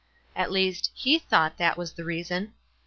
At least, he thought that was the reason.